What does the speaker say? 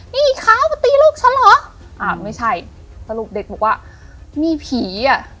นี่เขามาตีลูกฉันเหรออ่าไม่ใช่สรุปเด็กบอกว่ามีผีอ่ะ